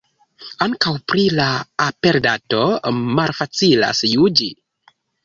Ankaŭ pri la aperdato malfacilas juĝi.